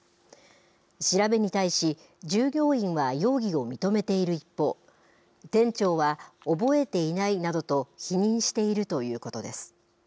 調べに対し、従業員は容疑を認めている一方、店長は覚えていないなどと、否認しているということです。